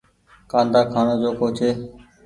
ڪآندآ کآڻو چوکو ڇي ۔